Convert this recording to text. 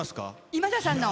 今田さんの。